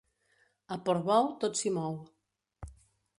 A Portbou, tot s'hi mou.